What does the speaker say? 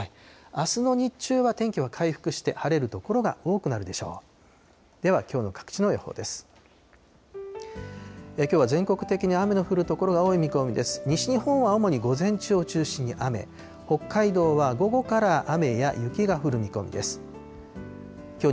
あすの日中は天気は回復して晴れる所が多くなるでしょう。